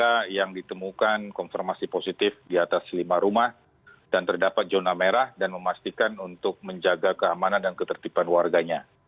ada yang ditemukan konfirmasi positif di atas lima rumah dan terdapat zona merah dan memastikan untuk menjaga keamanan dan ketertiban warganya